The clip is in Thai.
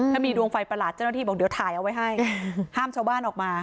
ถ้ามีดวงไฟประหลาดเจ้าหน้าที่บอกเดี๋ยวถ่ายเอาไว้ให้ห้ามชาวบ้านออกมา